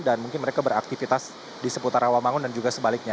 dan mungkin mereka beraktivitas di seputar awamangun dan juga sebaliknya